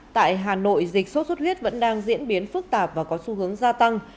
tại hà nội dịch sốt xuất huyết vẫn đang diễn biến phức tạp và có xu hướng gia tăng